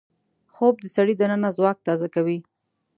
خوب د سړي دننه ځواک تازه کوي